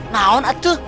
nah on atuh